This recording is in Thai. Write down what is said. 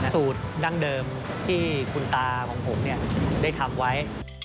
สูตรดั้งเดิมที่คุณตาของผมได้ทำไว้